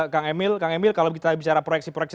kang emil kang emil kalau kita bicara proyeksi proyeksi